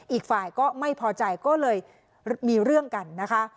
อีกฝ่ายก็ไม่พอใจก็เลยมีเรื่องกันนะคะ